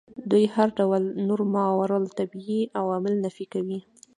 دوی هر ډول نور ماورا الطبیعي عوامل نفي کوي.